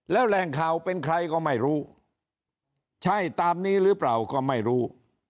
แล้วแหล่งข่าวเป็นใครก็ไม่รู้ใช่ตามนี้หรือเปล่าก็ไม่รู้